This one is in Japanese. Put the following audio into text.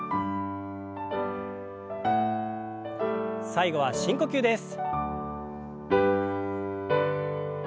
最後は深呼吸です。